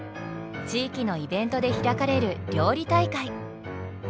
地域のイベントで開かれる料理大会。